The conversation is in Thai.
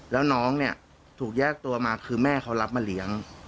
แล้วน้องเนี่ยถูกแยกตัวมาคือแม่เขารับมาเลี้ยง